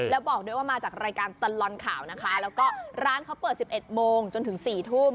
แล้วบอกด้วยว่ามาจากรายการตลอดข่าวนะคะแล้วก็ร้านเขาเปิด๑๑โมงจนถึง๔ทุ่ม